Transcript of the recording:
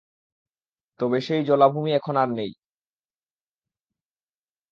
তবে সেই জলাভূমি এখন আর নেই।